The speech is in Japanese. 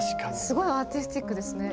すごいアーティスティックですね。